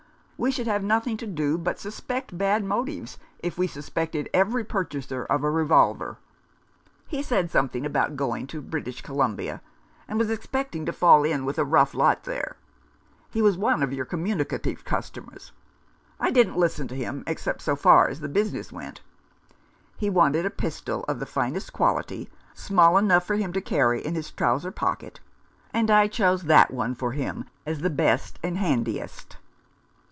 We should have nothing to do but suspect bad motives if we suspected every purchaser of a revolver. He said something about going to British Columbia, and expecting to fall in with a rough lot there. He was one of your communicative customers. I didn't listen to him, except so far as the business went. He wanted a pistol of the finest quality, small enough for him to carry in his trouser pocket, and I chose that one for him as the best and handiest."